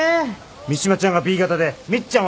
三島ちゃんがＢ型でみっちゃんはＡＢ型！